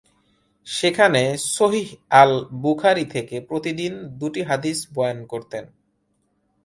সেখানে সহিহ আল-বুখারি থেকে প্রতিদিন দুটি হাদিস বয়ান করতেন।